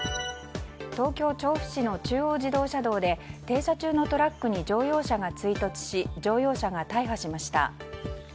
東京・調布市の中央自動車道で停車中のトラックに乗用車が追突し乗用車が大破しました。